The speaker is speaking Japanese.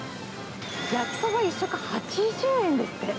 焼きそば１食８０円ですって。